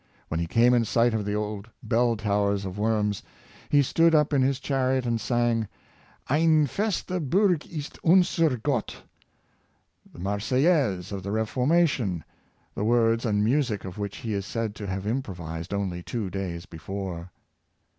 When he came in sight of the old bell towers of Worms, he stood up in his chariot and sang, ^''Emfoste Burgist unser Gott "— the " Mar seillaise " of the Reformation — the words and music of which he is said to have improvised only two days before.